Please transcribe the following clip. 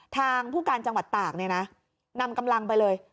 ทางผู้การจังหวัดตากเนี่ยนะนำกำลังไปเลย